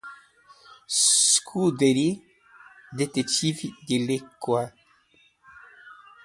scuderie detetive le cocq